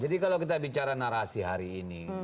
jadi kalau kita bicara narasi hari ini